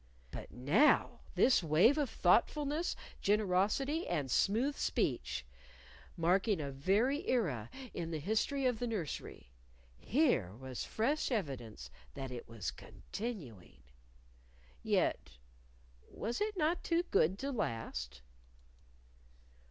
But now this wave of thoughtfulness, generosity and smooth speech! marking a very era in the history of the nursery. Here was fresh evidence that it was continuing. Yet was it not too good to last?